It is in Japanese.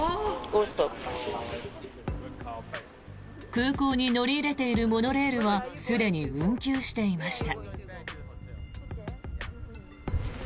空港に乗り入れているモノレールはすでに運休していました。